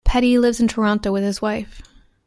Peddie lives in Toronto with his wife.